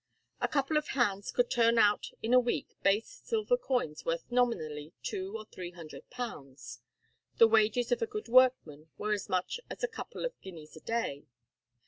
A couple of hands could turn out in a week base silver coins worth nominally two or three hundred pounds. The wages of a good workman were as much as a couple of guineas a day.